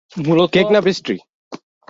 Cake না pastry?